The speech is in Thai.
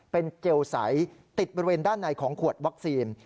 เป็นเกลใสติดบริเวณด้านในของขวดวัคซีน